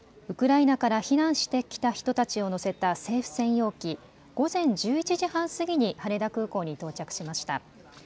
ウクライナから避難してきた人たちを乗せた政府専用機午前１１時半過ぎに羽田空港に到着しました。